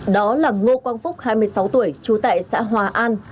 đó là ngô quang phúc hai mươi sáu tuổi trú tại xã hòa an